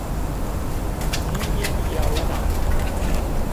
Pisînge nîyawena